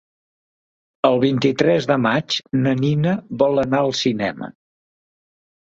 El vint-i-tres de maig na Nina vol anar al cinema.